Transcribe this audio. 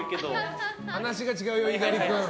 話が違うよ、猪狩君。